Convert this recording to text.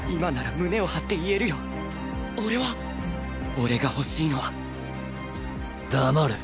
俺が欲しいのは黙れ。